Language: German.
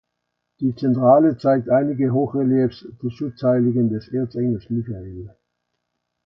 Die zentrale zeigt einige Hochreliefs des Schutzheiligen des Erzengels Michael.